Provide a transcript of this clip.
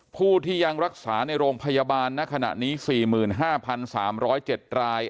ผู้ที่ยังรักษาในโรงพยาบาลณขณะนี้๔๕๓๐๗ราย